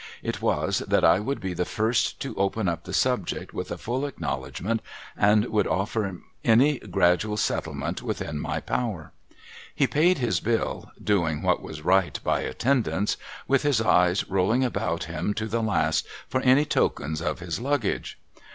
It Avas, that I would be the first to open up the subject with a full acknowledgment, and would offer any gradual settlement within my power. He paid his bill (doing what was right by attendance) with his eye rolling about him to the last for any tokens of his Luggage.